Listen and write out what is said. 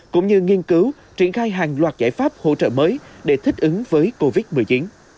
cũng như nghiên cứu triển khai hàng loạt giải pháp hỗ trợ mới để thích ứng với covid một mươi chín